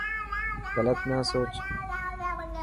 گلت نا سوچ.